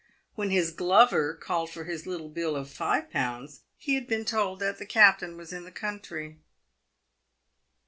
When his glover called for his little bill of five pounds he had been told the captain was in the country.